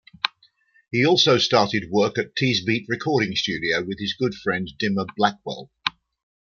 He also started work at Teesbeat recording studio with his good friend Dimmer Blackwell.